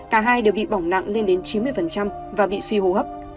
cả hai đều bị bỏng nặng lên đến chín mươi và bị suy hô hấp